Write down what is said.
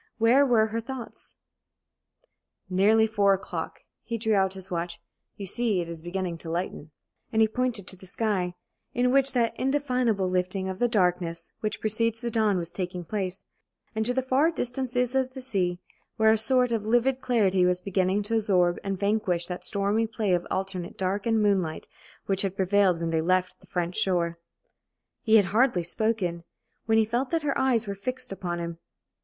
Where were her thoughts? "Nearly four o'clock." He drew out his watch. "You see it is beginning to lighten," And he pointed to the sky, in which that indefinable lifting of the darkness which precedes the dawn was taking place, and to the far distances of sea, where a sort of livid clarity was beginning to absorb and vanquish that stormy play of alternate dark and moonlight which had prevailed when they left the French shore. He had hardly spoken, when he felt that her eyes were fixed upon him.